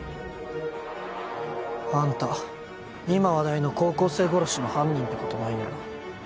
あんた今話題の高校生殺しの犯人ってことないよな？